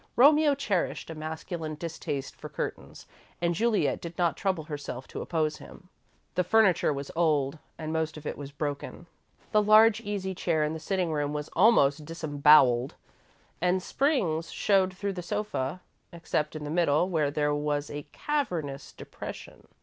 Romeo cherished a masculine distaste for curtains and Juliet did not trouble herself to oppose him. The furniture was old and most of it was broken. The large easy chair in the sitting room was almost disembowelled, and springs showed through the sofa, except in the middle, where there was a cavernous depression.